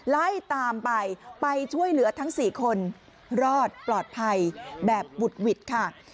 ไล่ตามไปไปช่วยเหลือทั้ง๔คนรอดปลอดภัยแบบบุดหวิดค่ะ